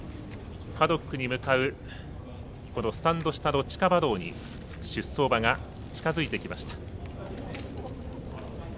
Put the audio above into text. パドックに向かうスタンド下の地下馬道に出走馬が近づいてきました。